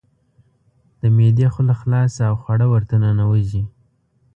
د معدې خوله خلاصه او خواړه ورته ننوزي.